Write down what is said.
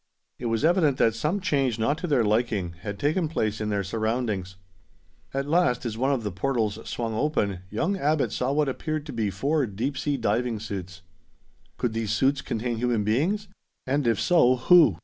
It was evident that some change not to their liking had taken place in their surroundings. At last, as one of the portals swung open, young Abbot saw what appeared to be four deep sea diving suits. Could these suits contain human beings? And if so, who?